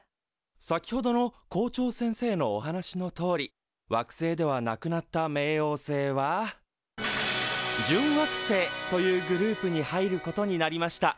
先ほどの校長先生のお話のとおり惑星ではなくなった冥王星は準惑星というグループに入ることになりました。